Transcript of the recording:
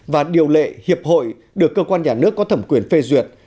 và điều lệ hiệp hội được cơ quan nhà nước có thẩm quyền phê duyệt